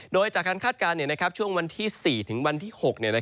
โดยจากคันคาดการณ์เนี่ยนะครับช่วงวันที่๔ถึงวันที่๖นะครับ